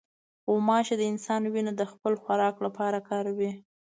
غوماشه د انسان وینه د خپل خوراک لپاره کاروي.